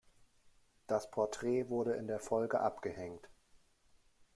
Das Porträt wurde in der Folge abgehängt.